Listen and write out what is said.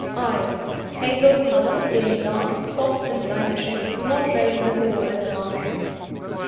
EYES Hazel colour, fairly large, soft and languishing, not showing the haw overmuch.